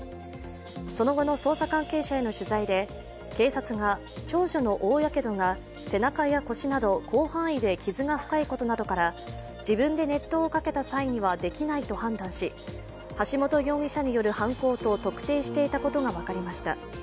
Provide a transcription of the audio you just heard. その後の捜査関係者への取材で警察が長女の大やけどが背中や腰など広範囲で傷が深いことなどから自分で熱湯をかけた際にはできないと判断し橋本容疑者による犯行と特定していたことが分かりました。